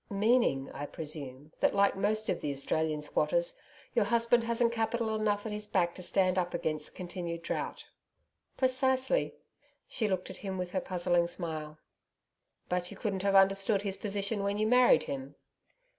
'Meaning, I presume, that like most of the Australian squatters, your husband hasn't capital enough at his back to stand up against continued drought?' 'Precisely.' She looked at him, with her puzzling smile. 'But you couldn't have understood his position when you married him?'